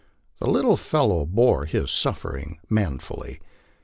The little fellow bore his suffering manfully.